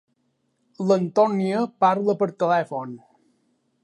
L'Antónia parla per telèfon.